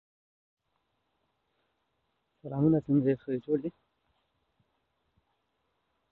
پاکې اوبه د راتلونکي نسل لپاره خوندي کړئ.